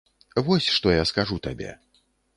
Вось што я скажу табе.